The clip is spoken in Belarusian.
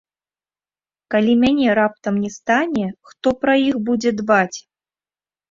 Калі мяне раптам не стане, хто пра іх будзе дбаць?